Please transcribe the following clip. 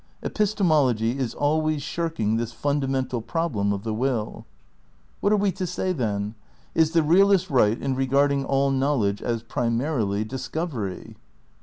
Epis temology is always shirking this fundamental problem of the will. What are we to say then? Is the realist right in re garding all knowledge as, primarily, discovery?